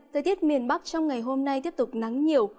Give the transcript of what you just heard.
thời tiết miền bắc trong ngày hôm nay tiếp tục nắng nhiều